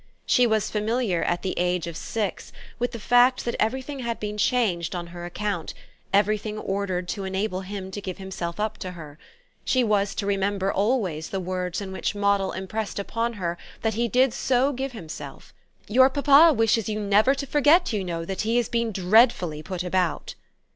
She was familiar, at the age of six, with the fact that everything had been changed on her account, everything ordered to enable him to give himself up to her. She was to remember always the words in which Moddle impressed upon her that he did so give himself: "Your papa wishes you never to forget, you know, that he has been dreadfully put about."